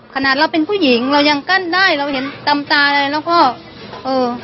ขนาดเราเป็นผู้หญิงเรายังกั้นได้เราเห็นตำตาอะไรแล้วก็เออ